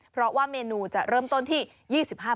เพราะว่าเมนูจะเริ่มต้นที่๒๕บาท